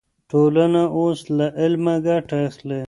ټولنه اوس له علمه ګټه اخلي.